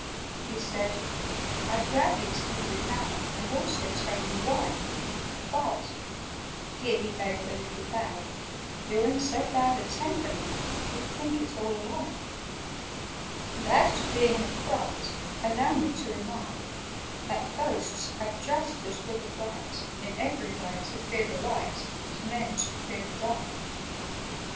He said "I'd gladly tell you how, And also tell you why; But" (here he gave a little bow) "You're in so bad a temper now, You'd think it all a lie. "And as to being in a fright, Allow me to remark That Ghosts have just as good a right In every way, to fear the light, As Men to fear the dark."